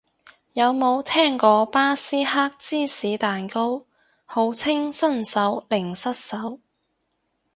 有冇聽過巴斯克芝士蛋糕，號稱新手零失手